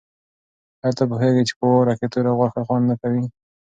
آیا ته پوهېږې چې په واوره کې توره غوښه خوند نه کوي؟